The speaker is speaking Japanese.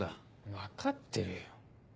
分かってるよ。